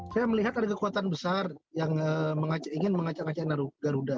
saya melihat ada kekuatan besar yang ingin mengacak ngacak garuda